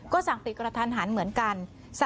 ก็สั่งปิดกระทันหันเหมือนกัน